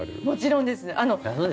もちろんです。